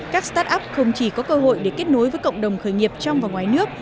các start up không chỉ có cơ hội để kết nối với cộng đồng khởi nghiệp trong và ngoài nước